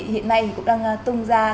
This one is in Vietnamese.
hiện nay cũng đang tung ra